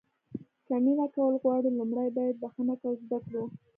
که مینه کول غواړو لومړی باید بښنه کول زده کړو.